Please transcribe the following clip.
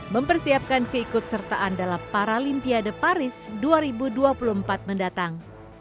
mempersiapkan keikut sertaan dalam paralimpiade paris dua ribu dua puluh empat mendatang